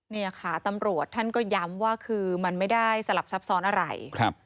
นี่ค่ะตำรวจท่านก็ย้ำว่าคือมันไม่ได้สลับซับซ้อนอะไร